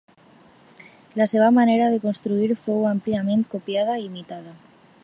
La seva manera de construir fou àmpliament copiada i imitada.